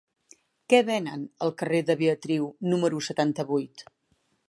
Què venen al carrer de Beatriu número setanta-vuit?